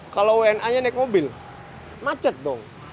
kalau wna nya naik mobil macet dong